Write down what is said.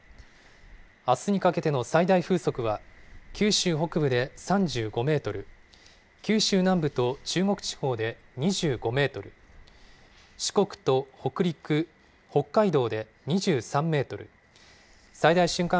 あすにかけての最大風速は、九州北部で３５メートル、九州南部と中国地方で２５メートル、四国と北陸、北海道で２３メートル、最大瞬間